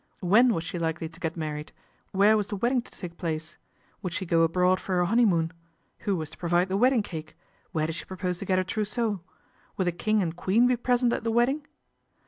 When was she likely to get married ? Where was the wedding to take place ? Would she go abroad for her honeymoon ? Who was to provide the wedding cake ? Where did she propose to get her trousseau ? Would the King and Queen be present at the wedding